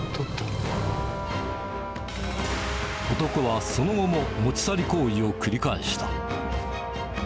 男はその後も持ち去り行為を繰り返した。